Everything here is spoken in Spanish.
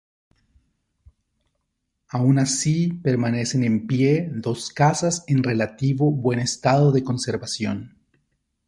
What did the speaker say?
Aun así permanecen en pie dos casas en relativo buen estado de conservación.